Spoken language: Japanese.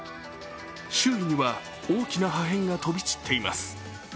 周囲には大きな破片が飛び散っています。